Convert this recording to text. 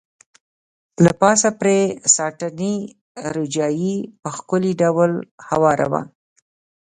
له پاسه پرې ساټني روجايي په ښکلي ډول هواره وه.